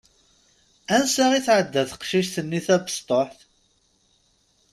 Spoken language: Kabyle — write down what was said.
Ansa i tɛedda tecict-nni tabesṭuḥt?